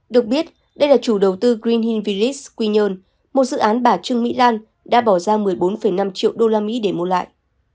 được biết đây là chủ đầu tư green hing vlades quy nhơn một dự án bà trương mỹ lan đã bỏ ra một mươi bốn năm triệu usd để mua lại